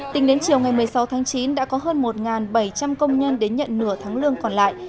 tính đến chiều ngày một mươi sáu tháng chín đã có hơn một bảy trăm linh công nhân đến nhận nửa tháng lương còn lại